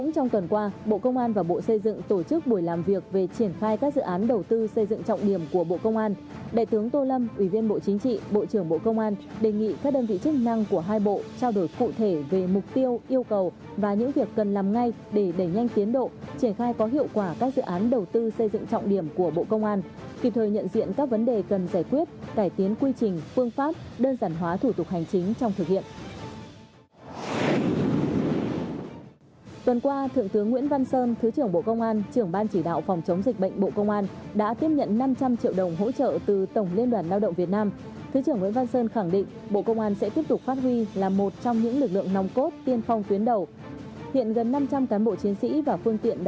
các biểu tại lễ ký kết đại tướng tô lâm ủy viên bộ chính trị bộ trưởng bộ công an đề nghị các đơn vị chức năng của hai bộ trao đổi cụ thể về mục tiêu yêu cầu và những việc cần làm ngay để đẩy nhanh tiến độ triển khai có hiệu quả các dự án đầu tư xây dựng trọng điểm của hai bộ trao đổi cụ thể về mục tiêu triển khai có hiệu quả các dự án đầu tư xây dựng trọng điểm của hai bộ trao đổi cụ thể